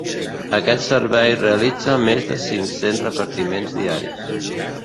Aquest servei realitza més de cinc-cents repartiments diaris.